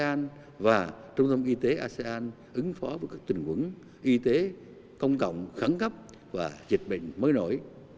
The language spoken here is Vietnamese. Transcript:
asean và trung tâm y tế asean ứng phó với các tình huống y tế công cộng khẳng cấp và dịch bệnh mới nổi